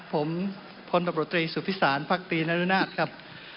ผมพลประปรตรีสุภิษศาลภักดีนรรณาชครับ